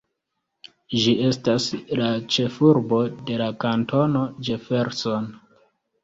Ĝi estas la ĉefurbo de la Kantono Jefferson.